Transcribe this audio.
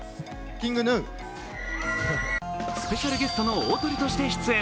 スペシャルゲストの大トリとして出演。